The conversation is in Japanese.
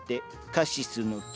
カシスの木。